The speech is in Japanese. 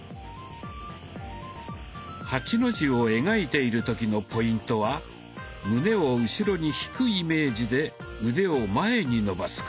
８の字を描いている時のポイントは胸を後ろに引くイメージで腕を前に伸ばすこと。